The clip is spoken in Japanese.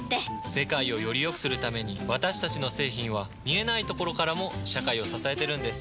世界をよりよくするために私たちの製品は見えないところからも社会を支えてるんです。